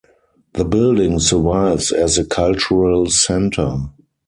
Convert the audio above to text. The building survives as a cultural centre.